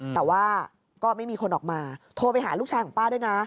แต่ว่าก็ไม่มีคนออกมาโทรไปหาลูกชายของป้าด้วยนะ